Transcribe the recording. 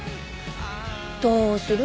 どうする？